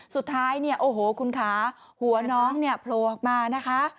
สุดท้ายโอ้โหคุณค้าหัวน้องโผล่ออกมานะคะ